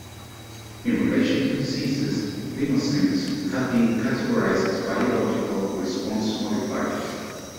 In relation to diseases, thymosins have been categorized as biological response modifiers.